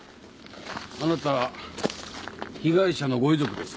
あなた被害者のご遺族ですか？